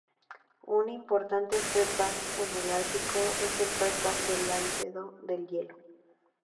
Un importante feedback en el Ártico es el feedback del albedo del hielo.